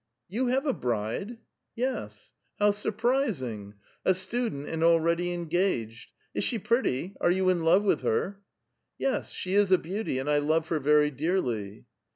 " You have a bride?" ''Yes!" " How surprising ! A student, and already engaged ! Is she pretty? Are you in love with her?" " Yes, she is a beautj', and I love her very dearly."